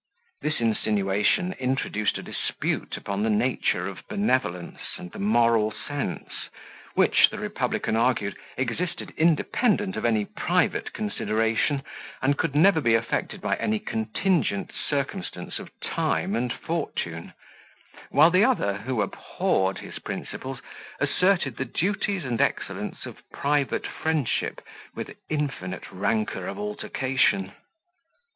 This insinuation introduced a dispute upon the nature of benevolence, and the moral sense, which, the republican argued, existed independent of any private consideration, and could never be affected by any contingent circumstance of time and fortune; while the other, who abhorred his principles, asserted the duties and excellence of private friendship with infinite rancour of altercation.